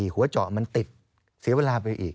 หัวเจาะมันติดเสียเวลาไปอีก